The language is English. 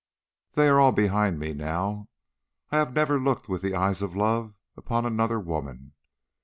They are all behind me now, I have never looked with the eyes of love upon another woman.